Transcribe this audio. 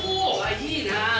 いいなあ。